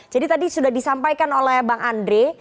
jadi tadi sudah disampaikan oleh bang andre